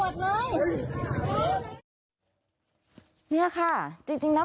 เป็นไรบ้างไงอุ้ยแจ้งกรรวจเลยเนี้ยค่ะจริงจริงนะ